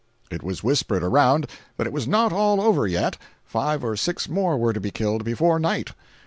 It was whispered around that it was not all over yet—five or six more were to be killed before night.